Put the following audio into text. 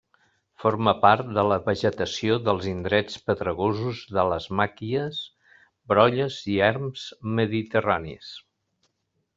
Forma part de la vegetació dels indrets pedregosos de les màquies, brolles i erms mediterranis.